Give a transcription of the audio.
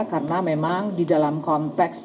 karena memang di dalam konteks